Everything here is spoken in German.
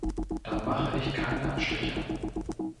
Da mache ich keine Abstriche.